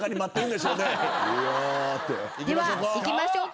ではいきましょうか。